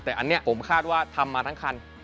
แต่อันนี้ผมคาดว่าทำมาทั้งคัน